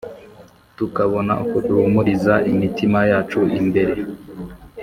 tukabona uko duhumuriza imitima yacu imbere